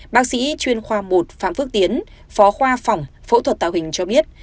bác sĩ chuyên khoa một phạm phước tiến phó khoa phòng phẫu thuật tạo hình cho biết